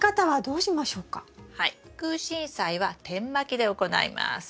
クウシンサイは点まきで行います。